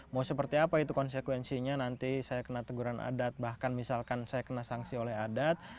mau seperti apa itu konsekuensinya nanti saya kena teguran adat bahkan misalkan saya kena sanksi oleh adat